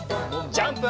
ジャンプ！